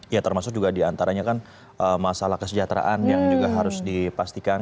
ya termasuk juga diantaranya kan masalah kesejahteraan yang juga harus dipastikan